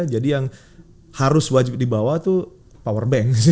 jadi yang harus wajib dibawa itu power bank